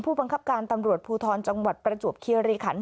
บังคับการตำรวจภูทรจังหวัดประจวบคีรีขัน